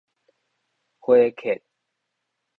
火戛